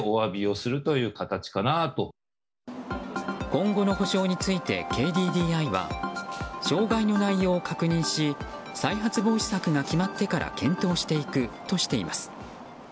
今後の補償についてＫＤＤＩは障害の内容を確認し再発防止策が決まってから検討していくとしています。